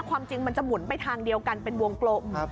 ความจริงมันจะหมุนไปทางเดียวกันเป็นวงกลม